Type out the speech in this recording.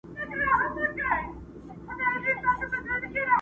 پروني ملا ویله چي کفار پکښي غرقیږي٫